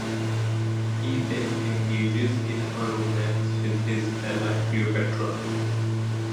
He then engages in a romance with his ally Cleopatra.